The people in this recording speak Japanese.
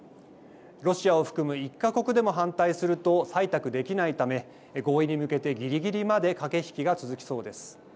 ロシアを含む１か国でも反対すると採択できないため、合意に向けてぎりぎりまで駆け引きが続きそうです。